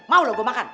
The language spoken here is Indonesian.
mau loh gue makan